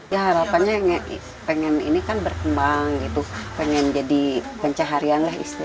ya harapannya yang pengen ini kan berkembang gitu pengen jadi pencaharian lah istilahnya